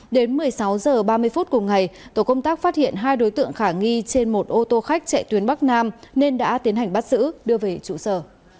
đến một mươi sáu h ba mươi phút cùng ngày tổ công tác phát hiện hai đối tượng khả nghi trên một ô tô khách chạy tuyến bắc nam nên đã tiến hành bắt giữ đưa về trụ sở